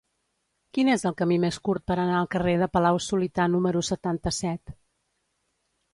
Quin és el camí més curt per anar al carrer de Palau-solità número setanta-set?